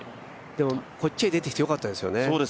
でもこっちへ出てきてよかったですよね。